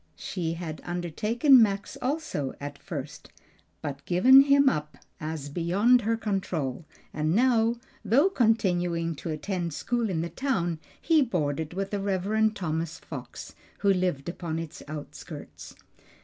She had undertaken Max also at first, but given him up as beyond her control; and now, though continuing to attend school in the town, he boarded with the Rev. Thomas Fox, who lived upon its outskirts.